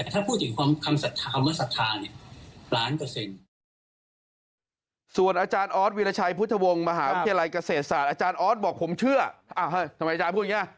ถ้าพูดถึงคำว่าศรัทธาเนี่ย